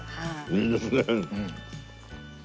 いいですね。